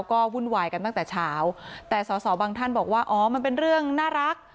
ก็วุ่นวายกันตั้งแต่เช้าแต่สอสอบางท่านบอกว่าอ๋อมันเป็นเรื่องน่ารัก